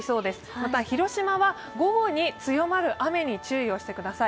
また、広島は午後に強まる雨に注意をしてください。